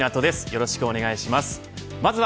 よろしくお願いします。